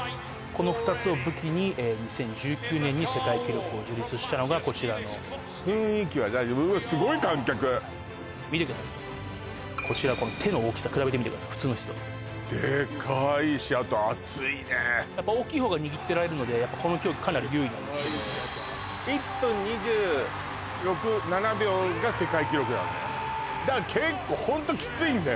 この２つを武器に２０１９年に世界記録を樹立したのがこちらの雰囲気はうわっ見てくださいこちらこの手の大きさ比べてみてください普通の人とやっぱ大きいほうが握ってられるのでやっぱこの競技かなり有利なんですけど１分２６２７秒が世界記録なのねだから結構ホントきついんだよね